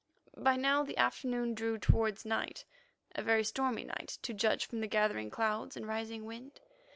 By now the afternoon drew towards night—a very stormy night, to judge from the gathering clouds and rising wind.